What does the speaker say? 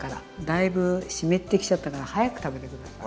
だいぶ湿ってきちゃったから早く食べて下さい。